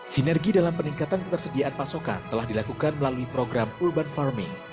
sinergi dalam peningkatan ketersediaan pasokan telah dilakukan melalui program urban farming